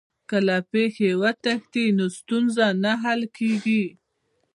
که له پېښي وتښتې نو ستونزه نه حل کېږي.